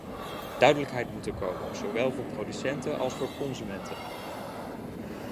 Duidelijkheid moet er komen, zowel voor producenten als voor consumenten.